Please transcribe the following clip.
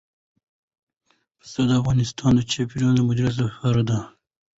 پسه د افغانستان د چاپیریال د مدیریت لپاره دي.